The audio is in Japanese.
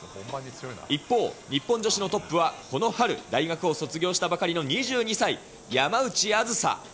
一方、日本女子のトップはこの春、大学を卒業したばかりの２２歳、山内梓。